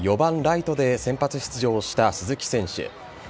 アストロズ戦に４番・ライトで先発出場した鈴木選手。